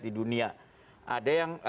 di dunia ada yang